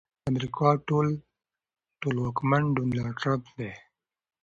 د امريکا ټولواکمن ډونالډ ټرمپ دی.